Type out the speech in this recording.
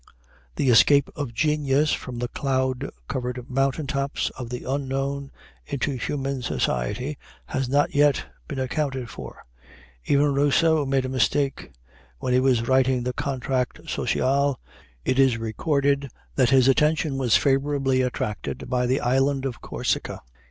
The escape of genius from the cloud covered mountain tops of the unknown into human society has not yet been accounted for. Even Rousseau made a mistake. When he was writing the Contrat social it is recorded that his attention was favorably attracted by the island of Corsica.